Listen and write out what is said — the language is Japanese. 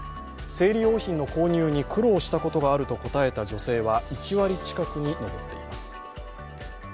生理用品の購入に苦労したことがあると答えた女性は１割近くに上っています。